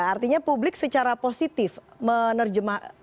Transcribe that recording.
artinya publik secara positif menerjemahkan